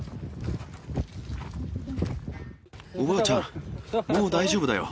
おばあちゃん、もう大丈夫だよ。